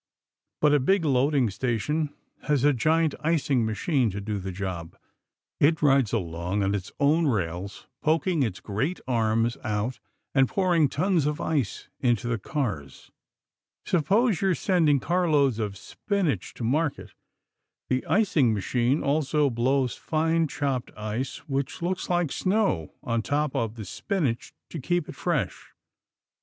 But a big loading station has a giant icing machine to do the job. It rides along on its own rails, poking its great arms out and pouring tons of ice into the cars. Suppose you are sending carloads of spinach to market. The icing machine also blows fine chopped ice, which looks like snow, on top of the spinach to keep it fresh.